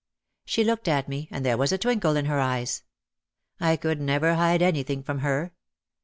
She looked at me, and there was a twinkle in her eyes. I could never hide anything from her.